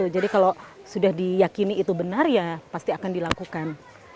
jadi kalau sudah diyakini itu benar ya pasti akan dilakukan